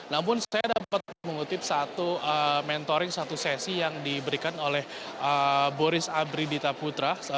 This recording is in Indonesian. namun saya dapat mengutip satu mentoring satu sesi yang diberikan oleh boris abritaputra